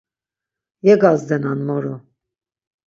Yegazdenan moro.